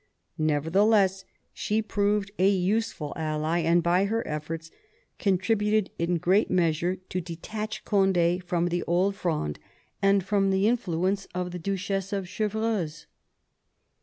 Nevertheless she proved a useful ally, and by her efforts contributed in great measure to detach Cond^ from the Old Fronde and from the influence of the Duchess of Chevreuse.